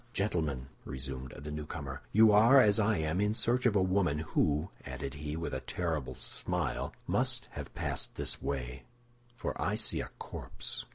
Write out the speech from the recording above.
"Gentlemen," resumed the newcomer, "you are, as I am, in search of a woman who," added he, with a terrible smile, "must have passed this way, for I see a corpse."